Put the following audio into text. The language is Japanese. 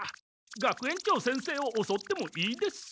学園長先生をおそってもいいです。